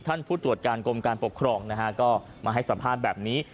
ผู้ตรวจการกรมการปกครองนะฮะก็มาให้สัมภาษณ์แบบนี้